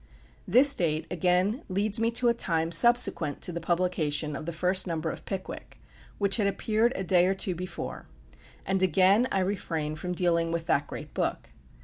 This date again leads me to a time subsequent to the publication of the first number of "Pickwick," which had appeared a day or two before; and again I refrain from dealing with that great book.